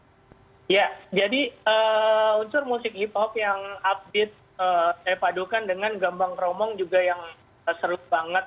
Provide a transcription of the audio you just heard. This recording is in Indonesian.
ya jadi unsur musik hip hop yang update saya padukan dengan gambang kromong juga yang seru banget